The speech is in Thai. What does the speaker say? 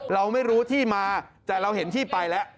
เราไม่รู้ที่มาแต่เราเห็นที่ไปแล้ว